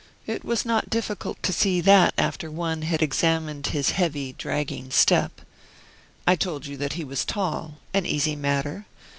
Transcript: It was not difficult to see that after one had examined his heavy, dragging step. I told you that he was tall an easy matter.